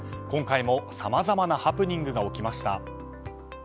今回もさまざまなハプニングが起きました。